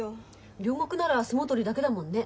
両国なら相撲取りだけだもんね。